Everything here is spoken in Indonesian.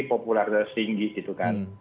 populernya singgih gitu kan